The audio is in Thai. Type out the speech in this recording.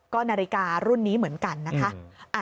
ก็นาฬิการุ่นนี้เหมือนกันนะคะ